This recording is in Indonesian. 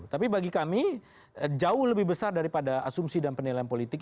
tapi bagi kami jauh lebih besar daripada asumsi dan penilaian politik